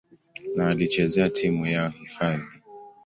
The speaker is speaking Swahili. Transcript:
na alichezea timu yao hifadhi.